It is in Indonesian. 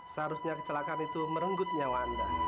seharusnya kecelakaan itu merenggut nyawa anda